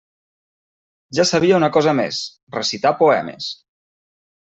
Ja sabia una cosa més: recitar poemes.